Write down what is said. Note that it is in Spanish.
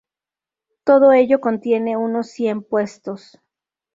Todo ello contiene unos cien puestos.